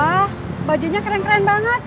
wah bajunya keren keren banget